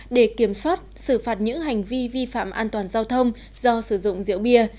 để kiểm soát xử phạt những hành vi vi phạm an toàn giao thông do sử dụng rượu bia